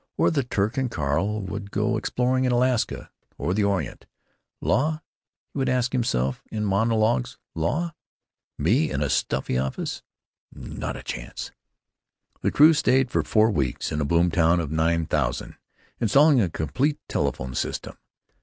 Or the Turk and Carl would go exploring in Alaska or the Orient. "Law?" he would ask himself in monologues, "law? Me in a stuffy office? Not a chance!" The crew stayed for four weeks in a boom town of nine thousand, installing a complete telephone system.